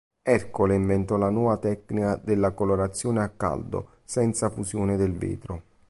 Ercole inventò la nuova tecnica della colorazione a caldo senza fusione del vetro.